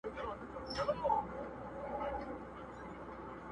خو نه بینا سول نه یې سترګي په دعا سمېږي؛